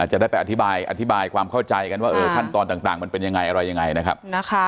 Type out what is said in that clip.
จะได้ไปอธิบายอธิบายความเข้าใจกันว่าขั้นตอนต่างมันเป็นยังไงอะไรยังไงนะครับ